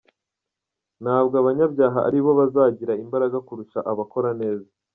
Ntabwo abanyabyaha aribo bazagira imbaraga kurusha abakora neza.